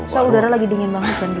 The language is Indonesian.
so udara lagi dingin banget kan dulu